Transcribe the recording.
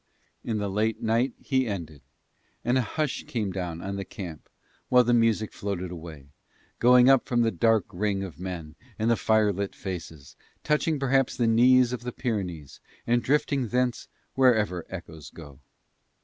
In the late night he ended, and a hush came down on the camp while the music floated away, going up from the dark ring of men and the fire lit faces, touching perhaps the knees of the Pyrenees and drifting thence wherever echoes go.